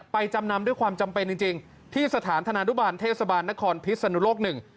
จำนำด้วยความจำเป็นจริงที่สถานธนานุบาลเทศบาลนครพิศนุโลกหนึ่ง